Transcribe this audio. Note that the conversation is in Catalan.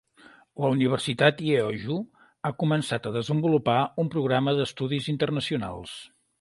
La Universitat Yeoju ha començat a desenvolupar un programa d'estudis internacionals.